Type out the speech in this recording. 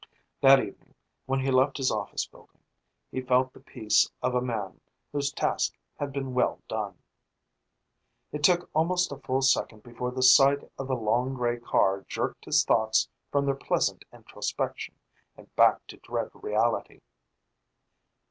That evening, when he left his office building, he felt the peace of a man whose task has been well done. It took almost a full second before the sight of the long gray car jerked his thoughts from their pleasant introspection and back to dread reality.